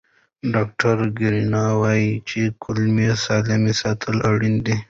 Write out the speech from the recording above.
ډاکټر کرایان وویل چې کولمو سالم ساتل اړین دي.